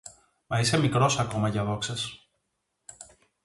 Μα είσαι μικρός ακόμα για δόξες.